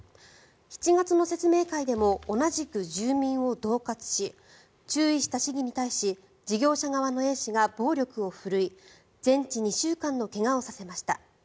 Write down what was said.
７月の説明会でも同じく住民をどう喝し注意した市議に対し事業者側のＡ氏が暴力を振るい全治２週間の怪我をさせました。